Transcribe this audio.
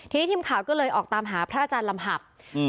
ทีนี้ทีมข่าวก็เลยออกตามหาพระอาจารย์ลำหับ